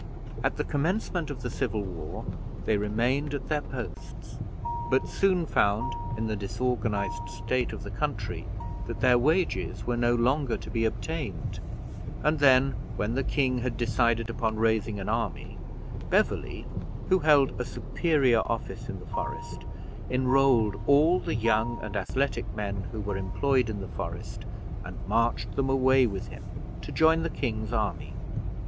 At the commencement of the civil war they remained at their posts, but soon found, in the disorganized state of the country, that their wages were no longer to be obtained; and then, when the king had decided upon raising an army, Beverley, who held a superior office in the Forest, enrolled all the young and athletic men who were employed in the Forest, and marched them away with him to join the king's army.